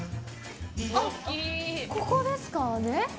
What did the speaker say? あっ、ここですかね？